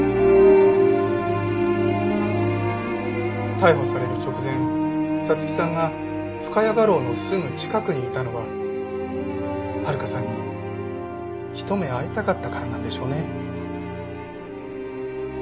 逮捕される直前彩月さんが深谷画廊のすぐ近くにいたのは温香さんにひと目会いたかったからなんでしょうね。